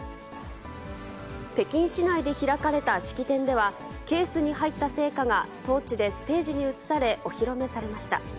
北京市内で開かれた式典では、ケースに入った聖火がトーチでステージに移され、お披露目されました。